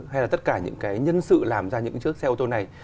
hay là tất cả những cái nhân sự làm ra những chiếc xe ô tô này